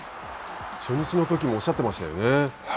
初日のときもおっしゃってましたよね。